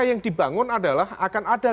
yang dibangun adalah akan ada